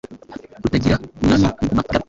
rutagira Umwami n’Ingoma Ngabe.